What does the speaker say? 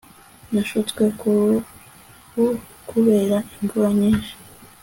nashutswe ku ruhu kubera imvura nyinshi